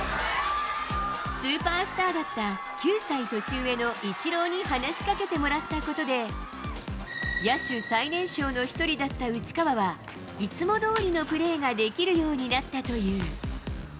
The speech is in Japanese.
スーパースターだった、９歳年上のイチローに話しかけてもらったことで、野手最年少の一人だった内川は、いつもどおりのプレーができるようになったという。